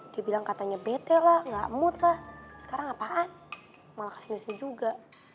dia bilang katanya bete lah gak mood lah sekarang apaan malah kesini sini juga